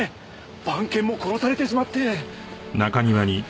番犬も殺されてしまって。